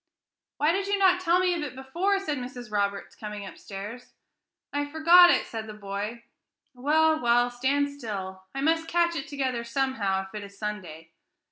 "Why did you not tell me of it before?" said Mrs. Roberts, coming upstairs. "I forgot it," said the boy. "Well, well, stand still; I must catch it together somehow, if it is Sunday.